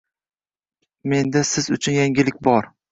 Menda siz uchun yangilik bor